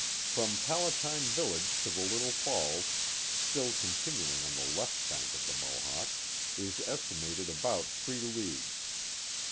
From Palatine village to the Little Falls, still continuing on the left bank of the Mohawk, is estimated about three leagues.